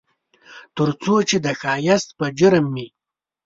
ترڅو چې د ښایست په جرم مې